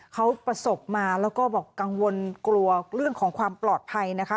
เขาประสบมาแล้วก็บอกกังวลกลัวเรื่องของความปลอดภัยนะคะ